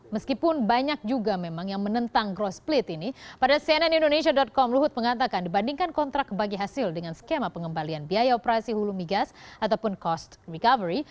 meskipun banyak juga memang yang menentang growth split ini pada cnn indonesia com luhut mengatakan dibandingkan kontrak bagi hasil dengan skema pengembalian biaya operasi hulu migas ataupun cost recovery